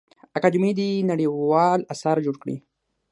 اکاډمي دي نړیوال اثار جوړ کړي.